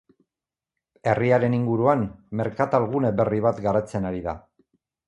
Herriaren inguruan, merkatalgune berri bat garatzen ari da.